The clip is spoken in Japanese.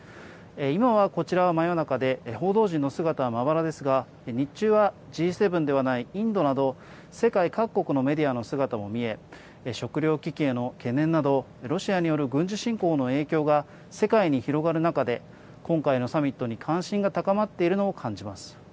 今はこちらは真夜中で、報道陣の姿はまばらですが、日中はＧ７ではないインドなど、世界各国のメディアの姿も見え、食料危機への懸念など、ロシアによる軍事侵攻の影響が世界に広がる中で、今回のサミットに関心が高まっているのを感じます。